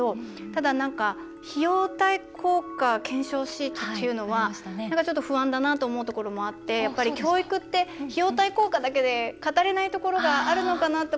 ただ、費用対効果検証シートっていうのは不安だなと思うところもあって教育って費用対効果だけで語れないところがあるのかなって。